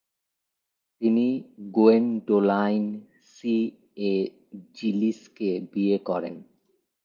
তিনি Gwendoline C A জিলিসকে বিয়ে করেন।